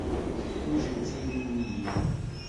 Ḥwajent tiririyin.